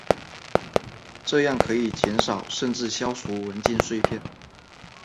这样可以减少甚至消除文件碎片。